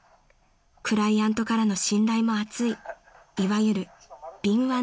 ［クライアントからの信頼も厚いいわゆる敏腕ディレクター］